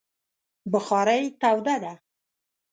بخارۍ توده ده